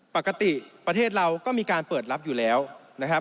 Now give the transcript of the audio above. ปกติประเทศเราก็มีการเปิดรับอยู่แล้วนะครับ